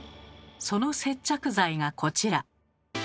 その接着剤がこちら。